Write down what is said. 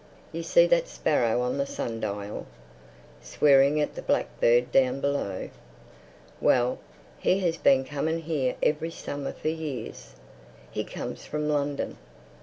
You see that sparrow on the sundial, swearing at the blackbird down below? Well, he has been coming here every summer for years. He comes from London.